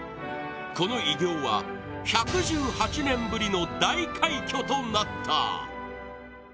この偉業は１１８年ぶりの大快挙となった。